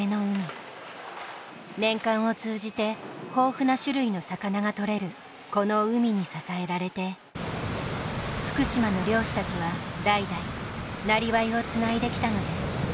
年間を通じて豊富な種類の魚がとれるこの海に支えられて福島の漁師たちは代々なりわいをつないできたのです。